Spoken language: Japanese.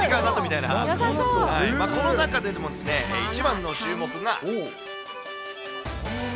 この中でも一番の注目が。